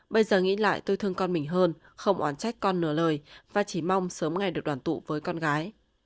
bây giờ nghĩ lại tôi thương con mình hơn không oán trách con nửa lời và chỉ mong sớm ngày được đoàn tụ với con gái